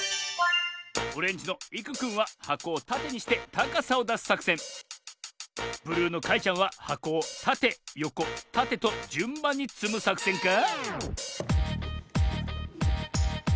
オレンジのいくくんははこをたてにしてたかさをだすさくせんブルーのかいちゃんははこをたてよこたてとじゅんばんにつむさくせんか？